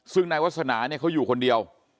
ซึ่งนายวาสนาเนี่ยเขาอยู่คนเดียว